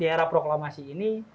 di era proklamasi ini